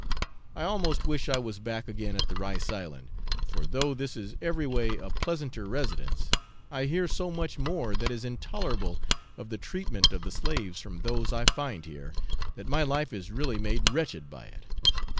I almost wish I was back again at the rice island; for though this is every way the pleasanter residence, I hear so much more that is intolerable of the treatment of the slaves from those I find here, that my life is really made wretched by it.